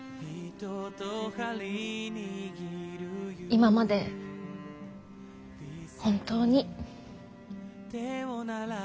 今まで本当に。